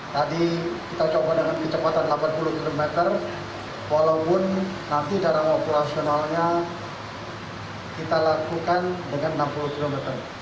tadi kita coba dengan kecepatan delapan puluh km walaupun nanti dalam operasionalnya kita lakukan dengan enam puluh km